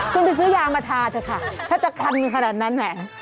คุณไปซื้อยามาทาเถอะค่ะถ้าจะคันมีขนาดนั้นแหม